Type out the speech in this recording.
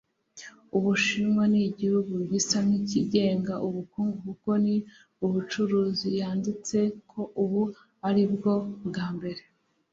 Ubushinwa ni igihugu gisa n'ikigenga ubukungu kuko ni umucuruziyanditse ko ubu, ari bwo bwa mbere